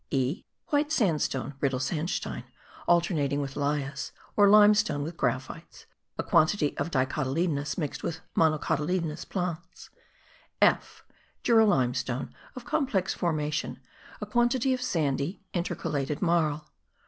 (e) White sandstone, brittle sandstein, alternating with lias, or limestone with graphites; a quantity of dicotyledonous mixed with monocotyledonous plants. (f) Jura limestone of complex formation; a quantity of sandy intercalated marl.